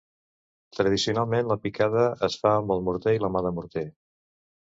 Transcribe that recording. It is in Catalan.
Tradicionalment la picada es fa amb el morter i la mà de morter.